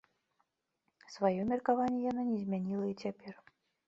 Сваё меркаванне яна не змяніла і цяпер.